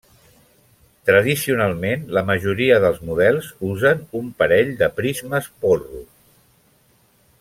Tradicionalment, la majoria dels models usen un parell de prismes porro.